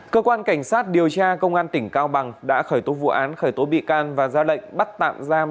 cơ quan cảnh sát điều tra công an tỉnh cao bằng đã khởi tố vụ án khởi tố bị can và ra lệnh bắt tạm giam